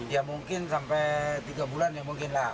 ya mungkin sampai tiga bulan ya mungkin lah